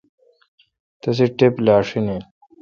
تسے ٹپ لاشین این۔